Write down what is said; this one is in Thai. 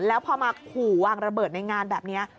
แล้วพอมาขู่วางระเบิดในงานแบบนี้